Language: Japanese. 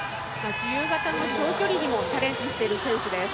自由形の長距離にもチャレンジしている選手です。